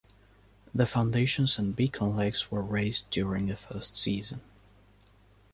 The foundations and beacon legs were raised during the first season.